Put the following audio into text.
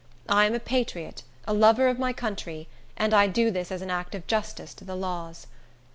I am a patriot, a lover of my country, and I do this as an act of justice to the laws."